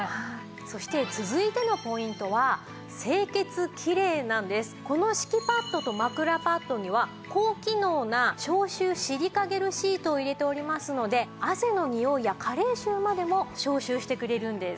そして続いてのポイントはこの敷きパッドと枕パッドには高機能な消臭シリカゲルシートを入れておりますので汗のにおいや加齢臭までも消臭してくれるんです。